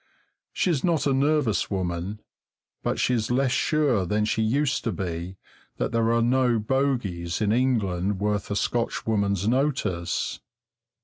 She's not a nervous woman, but she's less sure than she used to be that there are no bogies in England worth a Scotchwoman's notice.